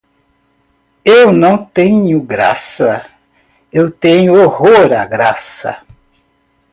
Eu não tenho graça, eu tenho horror à graça.